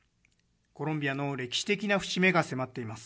コロンビアの歴史的な節目が迫っています。